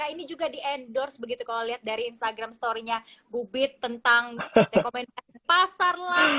ini juga di endorse begitu kalau lihat dari instagram story nya bu bit tentang rekomendasi pasar lah